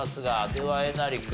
ではえなり君。